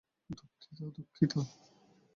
দুঃখিত, দুঃখিত!